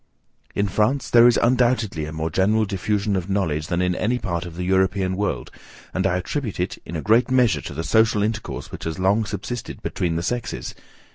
In France, there is undoubtedly a more general diffusion of knowledge than in any part of the European world, and I attribute it, in a great measure, to the social intercourse which has long subsisted between the sexes.